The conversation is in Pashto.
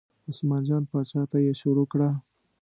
عثمان جان پاچا ته یې شروع کړه.